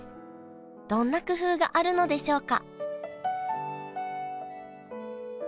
どんな工夫があるのでしょうか？